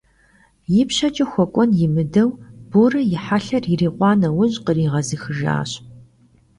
Yipşeç'e xuek'uen yimıdeu, Bore yi helher yirikhua neuj, khriğezıxıjjaş.